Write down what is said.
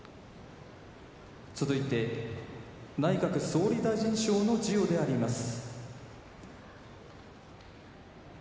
続いて内閣総理大臣賞の授与であります。